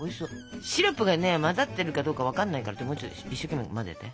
シロップがね混ざってるかどうか分かんないからもうちょっと一生懸命混ぜて。